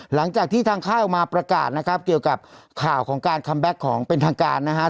หลังจากที่ทางค่ายออกมาประกาศนะครับเกี่ยวกับข่าวของการคัมแบ็คของเป็นทางการนะฮะ